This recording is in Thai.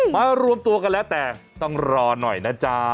มารวมตัวกันแล้วแต่ต้องรอหน่อยนะจ๊ะ